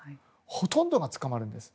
ほとんどが捕まるんです。